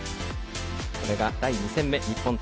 これが第２戦目日本対